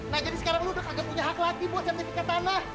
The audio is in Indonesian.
nah jadi sekarang lu udah punya hak lagi buat sertifikat tanah